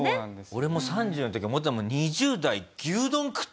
俺も３０の時思ったもん。